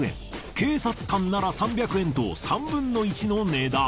警察官なら３００円と３分の１の値段。